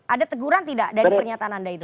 ada teguran tidak dari pernyataan anda itu